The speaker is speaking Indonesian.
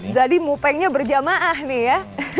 jadi mukanya berjamaah nih ya